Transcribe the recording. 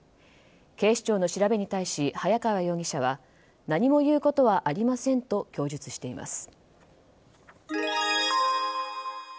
警察の調べに対し、早川容疑者は何も言うことはありませんと供述しています。